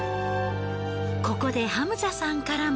ここでハムザさんからも。